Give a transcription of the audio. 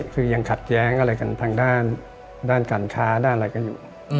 คือยังขัดแย้งอะไรกันทางด้านการค้าด้านอะไรกันอยู่